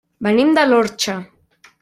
Venim de l'Orxa.